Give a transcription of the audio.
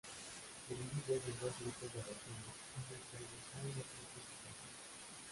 Se dividen en dos grupos de ratones, uno experimental y otro grupo control.